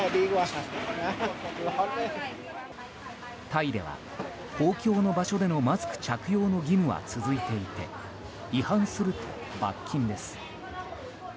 タイでは公共の場所でのマスク着用は義務は続いていて違反すると罰金です。